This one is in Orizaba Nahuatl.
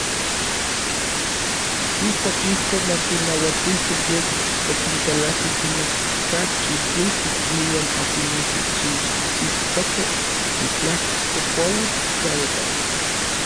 Ijkuak ijkon okinauatijkej, yej okinkalakij kan okachi tlijtik iuan okinmikxitsikojkej itlajko kuauitl tlalpan.